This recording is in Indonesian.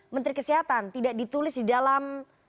menteri kesehatan tidak ditulis di dalam